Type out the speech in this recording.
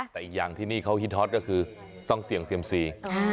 แต่อีกอย่างที่นี่เขาฮิตฮอตก็คือต้องเสี่ยงเซียมซี